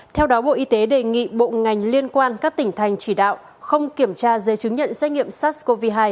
theo đó bộ y tế đề nghị bộ ngành liên quan các tỉnh thành chỉ đạo không kiểm tra giấy chứng nhận xét nghiệm sars cov hai